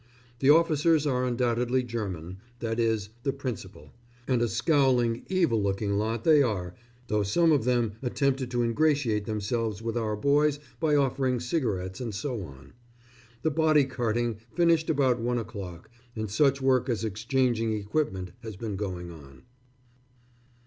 The officers are undoubtedly German that is, the principal; and a scowling, evil looking lot they are, though some of them attempted to ingratiate themselves with our boys by offering cigarettes and so on. The body carting finished about one o'clock, and such work as exchanging ... equipment has been going on.